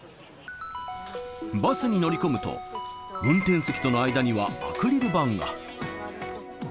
バスに乗り込むと、運転席との間にはアクリル板が。